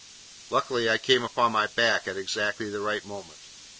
Luckily, I came upon my back at exactly the right moment.